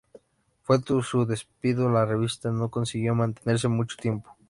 Tras su despido la revista no consiguió mantenerse mucho tiempo.